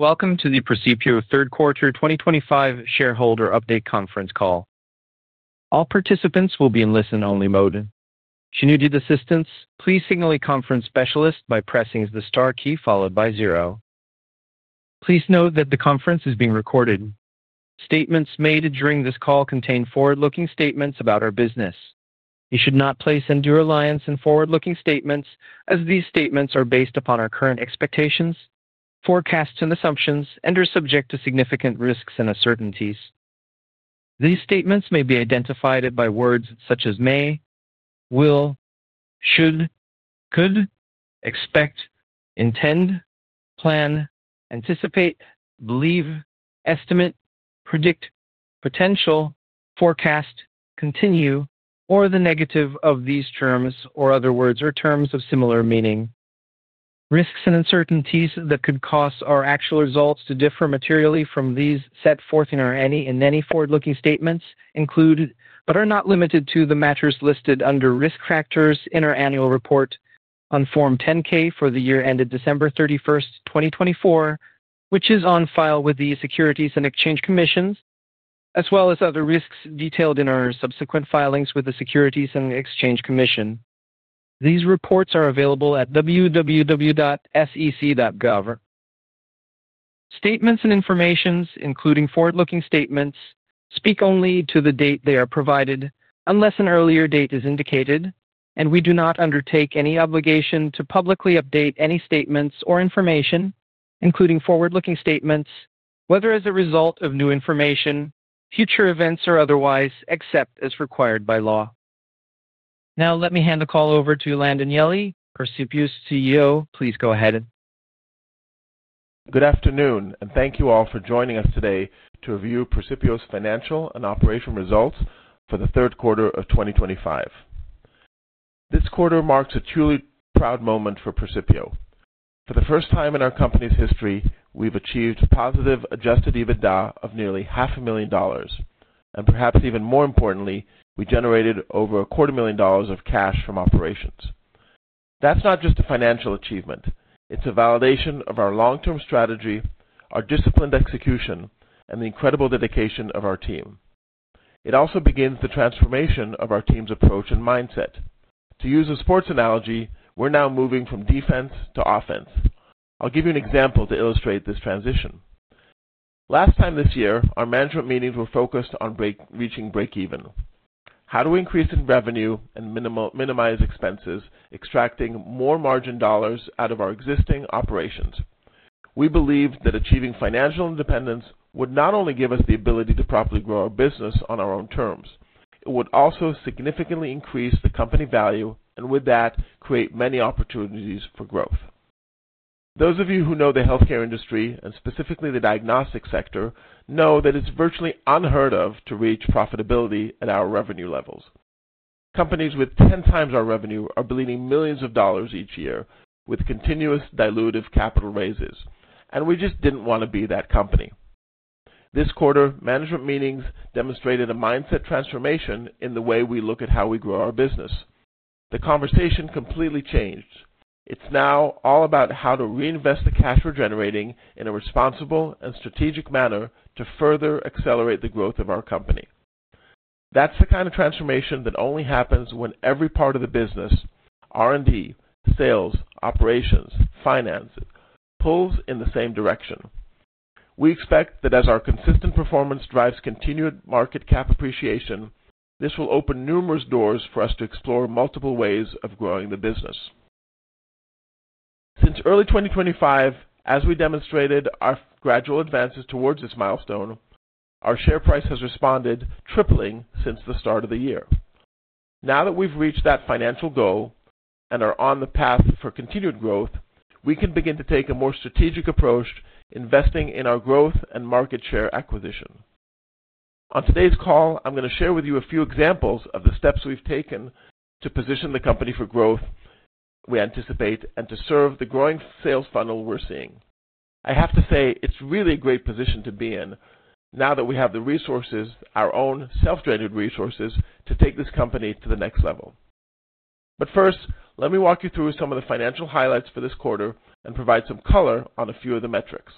Welcome to the Precipio third quarter 2025 shareholder update conference call. All participants will be in listen-only mode. If you need assistance, please signal a conference specialist by pressing the star key followed by zero. Please note that the conference is being recorded. Statements made during this call contain forward-looking statements about our business. You should not place undue reliance in forward-looking statements, as these statements are based upon our current expectations, forecasts, and assumptions, and are subject to significant risks and uncertainties. These statements may be identified by words such as may, will, should, could, expect, intend, plan, anticipate, believe, estimate, predict, potential, forecast, continue, or the negative of these terms, or other words or terms of similar meaning. Risks and uncertainties that could cause our actual results to differ materially from those set forth in any forward-looking statements include, but are not limited to, the matters listed under Risk Factors in our Annual Report on Form 10-K for the year ended December 31st, 2024, which is on file with the Securities and Exchange Commission, as well as other risks detailed in our subsequent filings with the Securities and Exchange Commission. These reports are available at www.sec.gov. Statements and information, including forward-looking statements, speak only to the date they are provided, unless an earlier date is indicated, and we do not undertake any obligation to publicly update any statements or information, including forward-looking statements, whether as a result of new information, future events, or otherwise, except as required by law. Now, let me hand the call over to Ilan Danieli, Precipio's CEO. Please go ahead. Good afternoon, and thank you all for joining us today to review Precipio's financial and operational results for the third quarter of 2025. This quarter marks a truly proud moment for Precipio. For the first time in our company's history, we've achieved a positive adjusted EBITDA of nearly $500,000, and perhaps even more importantly, we generated over $250,000 of cash from operations. That's not just a financial achievement. It's a validation of our long-term strategy, our disciplined execution, and the incredible dedication of our team. It also begins the transformation of our team's approach and mindset. To use a sports analogy, we're now moving from defense to offense. I'll give you an example to illustrate this transition. Last time this year, our management meetings were focused on reaching break-even. How do we increase revenue and minimize expenses, extracting more margin dollars out of our existing operations? We believed that achieving financial independence would not only give us the ability to properly grow our business on our own terms, it would also significantly increase the company value, and with that, create many opportunities for growth. Those of you who know the healthcare industry, and specifically the diagnostic sector, know that it's virtually unheard of to reach profitability at our revenue levels. Companies with 10x our revenue are bleeding millions of dollars each year with continuous dilutive capital raises, and we just didn't want to be that company. This quarter, management meetings demonstrated a mindset transformation in the way we look at how we grow our business. The conversation completely changed. It's now all about how to reinvest the cash we're generating in a responsible and strategic manner to further accelerate the growth of our company. That's the kind of transformation that only happens when every part of the business—R&D, sales, operations, finance—pulls in the same direction. We expect that as our consistent performance drives continued market cap appreciation, this will open numerous doors for us to explore multiple ways of growing the business. Since early 2025, as we demonstrated our gradual advances towards this milestone, our share price has responded, tripling since the start of the year. Now that we've reached that financial goal and are on the path for continued growth, we can begin to take a more strategic approach, investing in our growth and market share acquisition. On today's call, I'm going to share with you a few examples of the steps we've taken to position the company for growth we anticipate and to serve the growing sales funnel we're seeing. I have to say, it's really a great position to be in now that we have the resources, our own self-directed resources, to take this company to the next level. First, let me walk you through some of the financial highlights for this quarter and provide some color on a few of the metrics.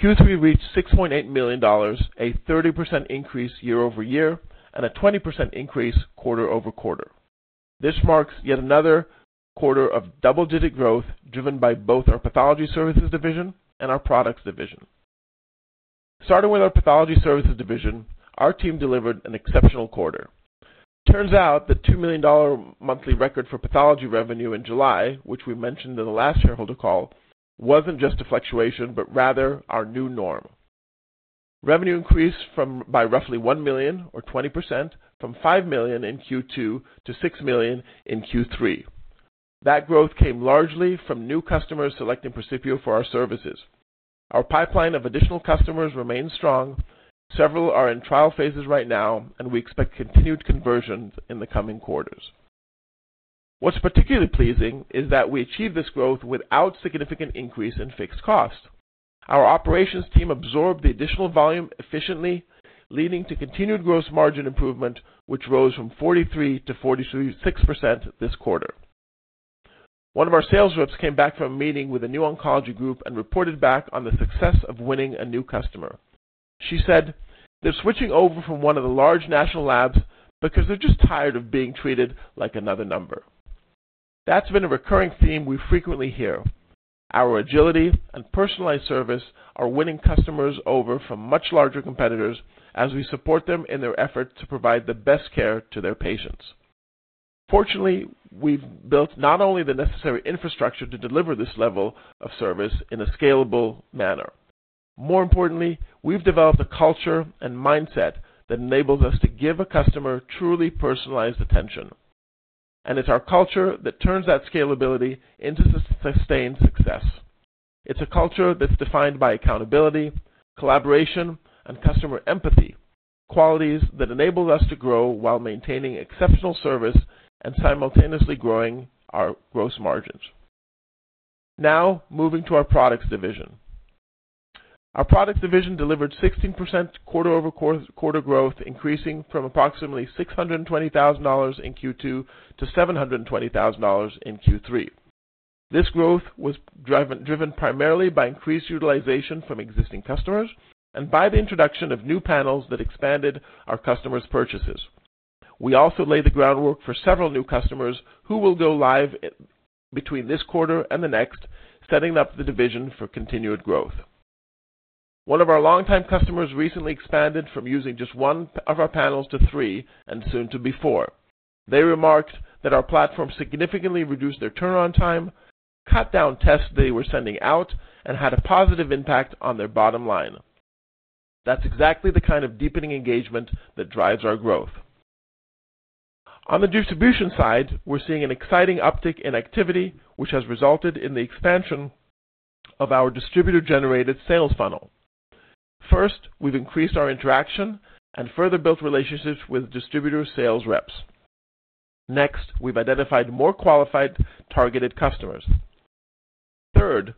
Q3 reached $6.8 million, a 30% increase year-over-year and a 20% increase quarter-over-quarter. This marks yet another quarter of double-digit growth driven by both our Pathology Services Division and our Products Division. Starting with our Pathology Services Division, our team delivered an exceptional quarter. It turns out that the $2 million monthly record for pathology revenue in July, which we mentioned in the last shareholder call, wasn't just a fluctuation but rather our new norm. Revenue increased by roughly $1 million, or 20%, from $5 million in Q2 to $6 million in Q3. That growth came largely from new customers selecting Precipio for our services. Our pipeline of additional customers remains strong. Several are in trial phases right now, and we expect continued conversions in the coming quarters. What's particularly pleasing is that we achieved this growth without significant increase in fixed costs. Our operations team absorbed the additional volume efficiently, leading to continued gross margin improvement, which rose from 43% to 46% this quarter. One of our sales reps came back from a meeting with a new oncology group and reported back on the success of winning a new customer. She said, "They're switching over from one of the large national labs because they're just tired of being treated like another number." That's been a recurring theme we frequently hear. Our agility and personalized service are winning customers over from much larger competitors as we support them in their effort to provide the best care to their patients. Fortunately, we've built not only the necessary infrastructure to deliver this level of service in a scalable manner. More importantly, we've developed a culture and mindset that enables us to give a customer truly personalized attention. It's our culture that turns that scalability into sustained success. It's a culture that's defined by accountability, collaboration, and customer empathy, qualities that enable us to grow while maintaining exceptional service and simultaneously growing our gross margins. Now, moving to our Products Division. Our Products Division delivered 16% quarter-over-quarter growth, increasing from approximately $620,000 in Q2 to $720,000 in Q3. This growth was driven primarily by increased utilization from existing customers and by the introduction of new panels that expanded our customers' purchases. We also laid the groundwork for several new customers who will go live between this quarter and the next, setting up the division for continued growth. One of our longtime customers recently expanded from using just one of our panels to three and soon to be four. They remarked that our platform significantly reduced their turnaround time, cut down tests they were sending out, and had a positive impact on their bottom line. That's exactly the kind of deepening engagement that drives our growth. On the distribution side, we're seeing an exciting uptick in activity, which has resulted in the expansion of our distributor-generated sales funnel. First, we've increased our interaction and further built relationships with distributor sales reps. Next, we've identified more qualified targeted customers. Third,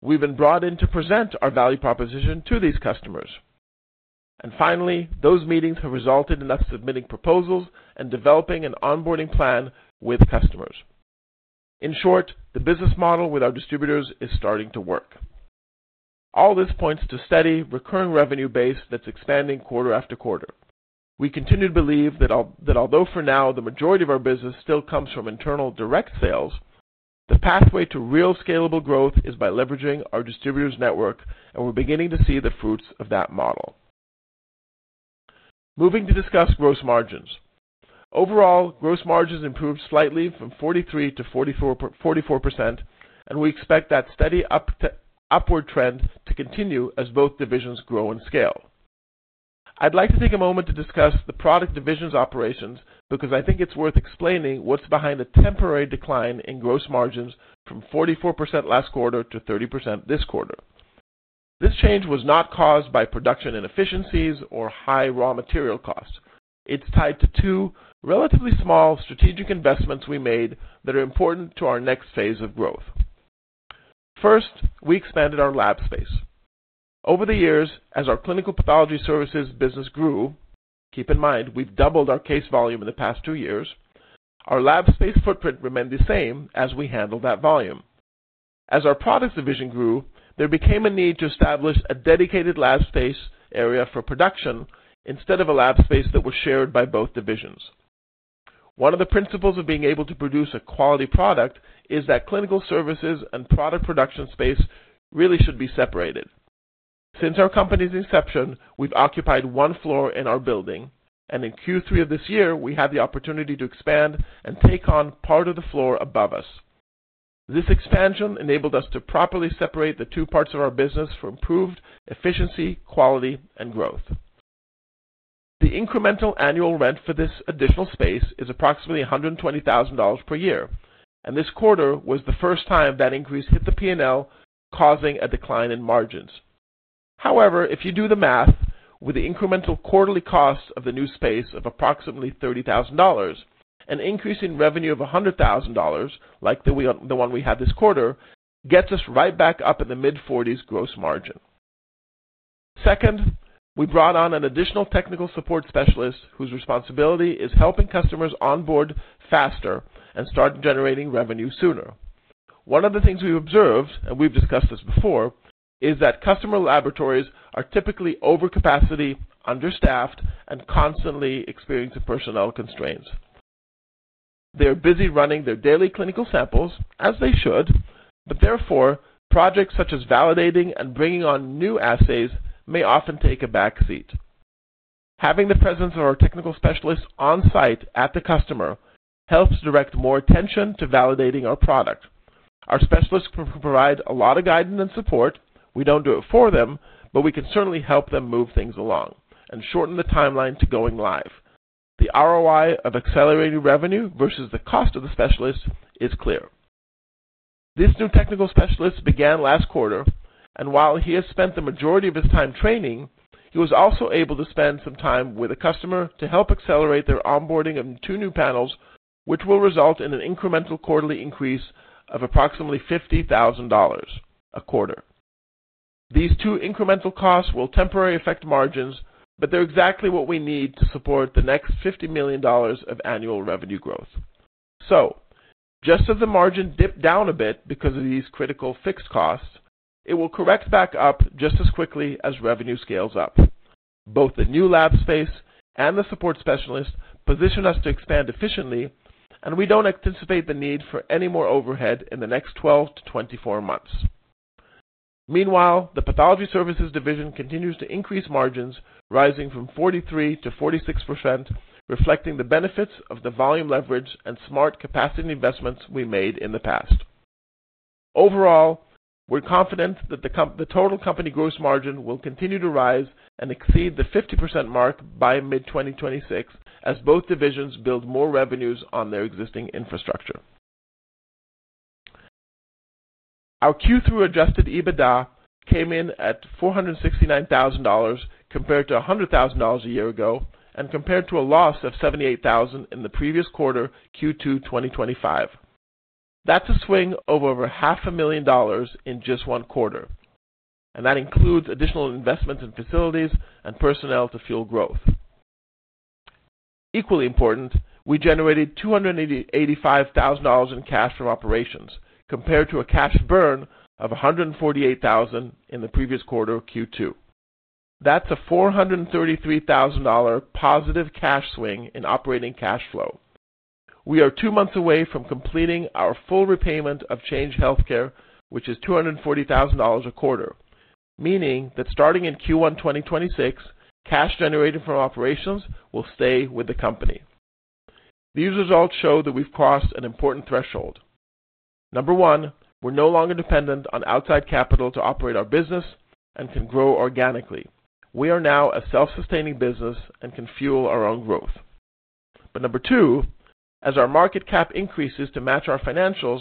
we've been brought in to present our value proposition to these customers. Finally, those meetings have resulted in us submitting proposals and developing an onboarding plan with customers. In short, the business model with our distributors is starting to work. All this points to a steady recurring revenue base that's expanding quarter after quarter. We continue to believe that although for now the majority of our business still comes from internal direct sales, the pathway to real scalable growth is by leveraging our distributors' network, and we're beginning to see the fruits of that model. Moving to discuss gross margins. Overall, gross margins improved slightly from 43% to 44%, and we expect that steady upward trend to continue as both divisions grow and scale. I'd like to take a moment to discuss the Products Division's operations because I think it's worth explaining what's behind the temporary decline in gross margins from 44% last quarter to 30% this quarter. This change was not caused by production inefficiencies or high raw material costs. It's tied to two relatively small strategic investments we made that are important to our next phase of growth. First, we expanded our lab space. Over the years, as our clinical Pathology Services business grew—keep in mind, we've doubled our case volume in the past two years—our lab space footprint remained the same as we handled that volume. As our Products Division grew, there became a need to establish a dedicated lab space area for production instead of a lab space that was shared by both divisions. One of the principles of being able to produce a quality product is that clinical services and product production space really should be separated. Since our company's inception, we've occupied one floor in our building, and in Q3 of this year, we had the opportunity to expand and take on part of the floor above us. This expansion enabled us to properly separate the two parts of our business for improved efficiency, quality, and growth. The incremental annual rent for this additional space is approximately $120,000 per year, and this quarter was the first time that increase hit the P&L, causing a decline in margins. However, if you do the math, with the incremental quarterly cost of the new space of approximately $30,000, an increase in revenue of $100,000, like the one we had this quarter, gets us right back up in the mid-40s gross margin. Second, we brought on an additional technical support specialist whose responsibility is helping customers onboard faster and start generating revenue sooner. One of the things we've observed, and we've discussed this before, is that customer laboratories are typically over capacity, understaffed, and constantly experiencing personnel constraints. They're busy running their daily clinical samples, as they should, but therefore, projects such as validating and bringing on new assays may often take a backseat. Having the presence of our technical specialists on-site at the customer helps direct more attention to validating our product. Our specialists can provide a lot of guidance and support. We don't do it for them, but we can certainly help them move things along and shorten the timeline to going live. The ROI of accelerating revenue versus the cost of the specialist is clear. This new technical specialist began last quarter, and while he has spent the majority of his time training, he was also able to spend some time with a customer to help accelerate their onboarding of two new panels, which will result in an incremental quarterly increase of approximately $50,000 a quarter. These two incremental costs will temporarily affect margins, but they're exactly what we need to support the next $50 million of annual revenue growth. Just as the margin dipped down a bit because of these critical fixed costs, it will correct back up just as quickly as revenue scales up. Both the new lab space and the support specialist position us to expand efficiently, and we don't anticipate the need for any more overhead in the next 12-24 months. Meanwhile, the Pathology Services Division continues to increase margins, rising from 43% to 46%, reflecting the benefits of the volume leverage and smart capacity investments we made in the past. Overall, we're confident that the total company gross margin will continue to rise and exceed the 50% mark by mid-2026 as both divisions build more revenues on their existing infrastructure. Our Q3 adjusted EBITDA came in at $469,000 compared to $100,000 a year ago and compared to a loss of $78,000 in the previous quarter, Q2 2025. That's a swing of over $500,000 in just one quarter, and that includes additional investments in facilities and personnel to fuel growth. Equally important, we generated $285,000 in cash from operations compared to a cash burn of $148,000 in the previous quarter, Q2. That's a $433,000 positive cash swing in operating cash flow. We are two months away from completing our full repayment of Change Healthcare, which is $240,000 a quarter, meaning that starting in Q1 2026, cash generated from operations will stay with the company. These results show that we've crossed an important threshold. Number one, we're no longer dependent on outside capital to operate our business and can grow organically. We are now a self-sustaining business and can fuel our own growth. Number two, as our market cap increases to match our financials,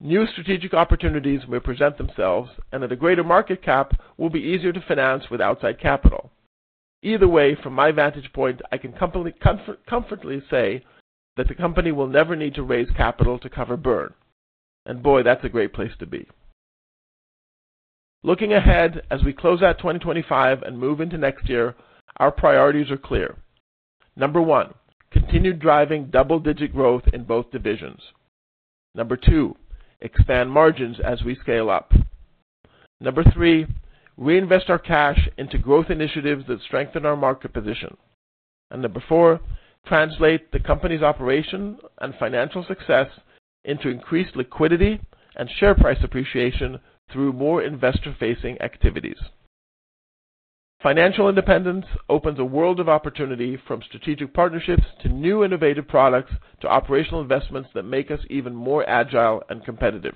new strategic opportunities may present themselves, and at a greater market cap, will be easier to finance with outside capital. Either way, from my vantage point, I can comfortably say that the company will never need to raise capital to cover burn, and boy, that's a great place to be. Looking ahead as we close out 2025 and move into next year, our priorities are clear. Number one, continue driving double-digit growth in both divisions. Number two, expand margins as we scale up. Number three, reinvest our cash into growth initiatives that strengthen our market position. Number four, translate the company's operation and financial success into increased liquidity and share price appreciation through more investor-facing activities. Financial independence opens a world of opportunity from strategic partnerships to new innovative products to operational investments that make us even more agile and competitive.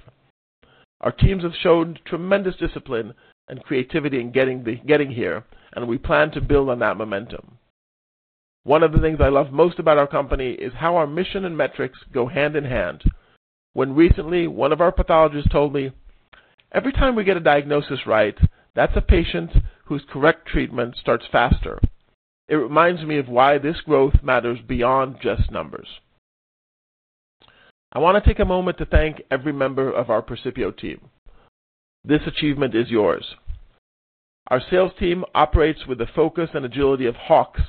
Our teams have shown tremendous discipline and creativity in getting here, and we plan to build on that momentum. One of the things I love most about our company is how our mission and metrics go hand in hand. When recently one of our pathologists told me, "Every time we get a diagnosis right, that's a patient whose correct treatment starts faster." It reminds me of why this growth matters beyond just numbers. I want to take a moment to thank every member of our Precipio team. This achievement is yours. Our sales team operates with the focus and agility of hawks,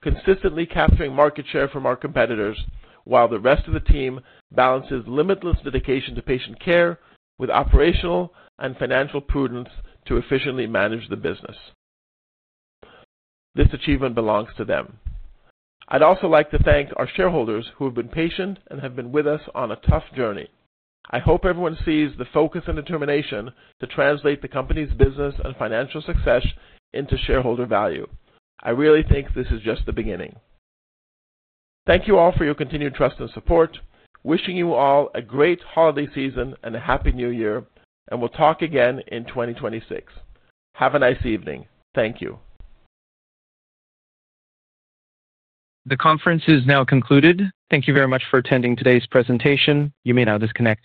consistently capturing market share from our competitors, while the rest of the team balances limitless dedication to patient care with operational and financial prudence to efficiently manage the business. This achievement belongs to them. I'd also like to thank our shareholders who have been patient and have been with us on a tough journey. I hope everyone sees the focus and determination to translate the company's business and financial success into shareholder value. I really think this is just the beginning. Thank you all for your continued trust and support. Wishing you all a great holiday season and a happy new year, and we'll talk again in 2026. Have a nice evening. Thank you. The conference is now concluded. Thank you very much for attending today's presentation. You may now disconnect.